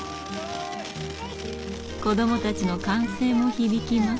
子どもたちの歓声も響きます。